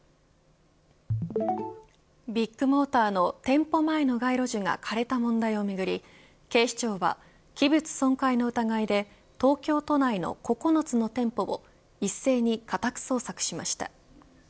ビッグモーターの店舗前の街路樹が枯れた問題をめぐり警視庁は器物損壊の疑いで東京都内の９つの店舗を一斉に家宅捜索しました。